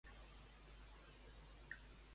On puc trobar a la doctora Salguero?